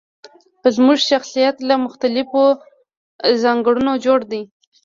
زموږ شخصيت له مختلفو ځانګړنو جوړ دی.